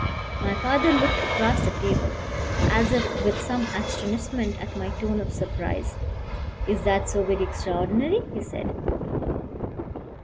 My father looked across the table, as if with some astonishment at my tone of surprise. "Is that so very extraordinary?" he said.